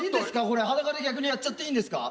これ裸で逆にやっちゃっていいんですか？